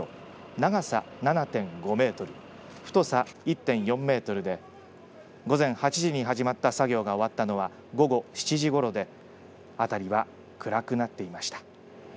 長さ７．５メートル太さ１．４メートルで午前８時に始まった作業が終わったのは午後７時ごろで辺りは暗くなっていました。